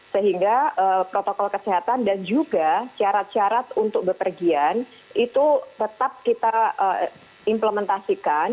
sehingga protokol kesehatan dan juga syarat syarat untuk bepergian itu tetap kita implementasikan